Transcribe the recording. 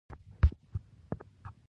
لاسونه د انسان د بدن مهم غړي دي